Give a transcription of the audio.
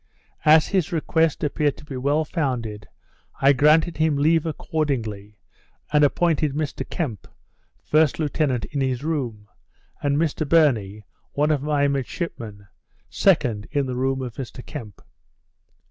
As his request appeared to be well founded, I granted him leave accordingly, and appointed Mr Kemp, first lieutenant in his room, and Mr Burney, one of my midshipmen, second, in the room of Mr Kemp.